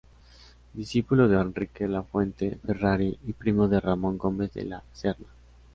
Discípulo de Enrique Lafuente Ferrari y primo de Ramón Gómez de la Serna.